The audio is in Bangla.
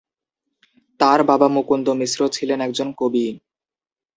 তার বাবা মুকুন্দ মিশ্র ছিলেন একজন কবি।